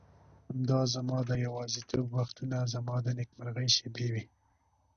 همدا زما د یوازیتوب وختونه زما د نېکمرغۍ شېبې وې.